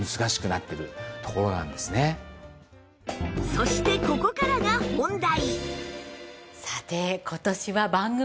そしてここからが本題！